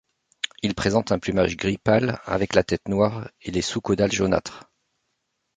Il présente un plumage gris pâle avec la tête noire et les sous-caudales jaunâtres.